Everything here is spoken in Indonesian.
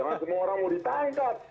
karena semua orang mau ditangkap